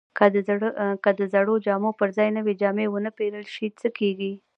که د زړو جامو پر ځای نوې جامې ونه پیرل شي، څه کیږي؟